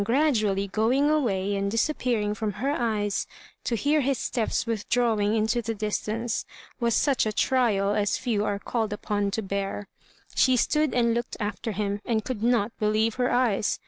gradually going away and disappearing from her eyes — to hear his steps withdrawing into the distance — was such a trial as few are called upon to bear. She stood and looked after him, and could not believe her eyes.